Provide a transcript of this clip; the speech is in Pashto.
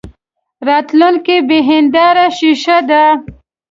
راتلونکې بې هیندارې شیشه ده.